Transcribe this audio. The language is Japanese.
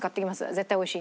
絶対おいしい。